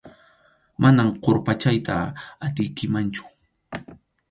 Manam qurpachayta atiykimanchu.